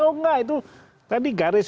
oh enggak itu tadi garis